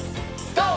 ＧＯ！